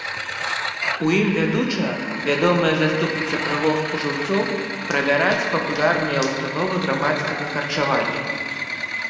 У ім вядучая, вядомая заступніца правоў спажыўцоў, правяраць папулярныя ўстановы грамадскага харчавання.